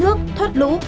gắt nước thoát lũ